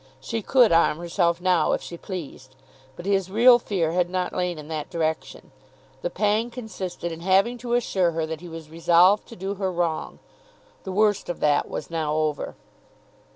She could arm herself now if she pleased; but his real fear had not lain in that direction. The pang consisted in having to assure her that he was resolved to do her wrong. The worst of that was now over.